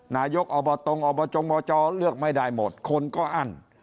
นายกอบตอบจงมจเลือกไม่ได้หมดคนก็อั้น